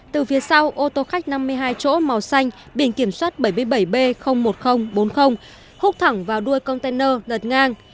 từ phía sau ô tô khách năm mươi hai chỗ màu xanh biển kiểm soát bảy mươi bảy b một nghìn bốn mươi hút thẳng vào đuôi container lật ngang